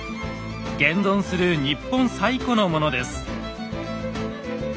現存する日本最古のものです。